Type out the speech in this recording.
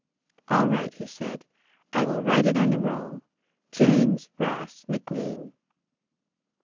"All right," he said. "I will write it on the roll James Ross McLean."